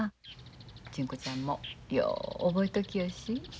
純子ちゃんもよう覚えときよし。